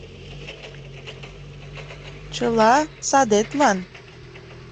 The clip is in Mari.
Чыла садетлан!